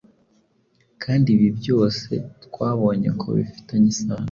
kandi ibi byose twabonye ko bifitanye isano